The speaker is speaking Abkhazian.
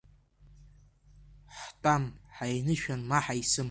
Ҳтәам ҳаинышәан, ма ҳаисым.